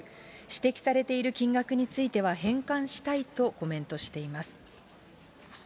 指摘されている金額については返還したいとコメントしています。